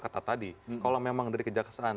kata tadi kalau memang dari kejaksaan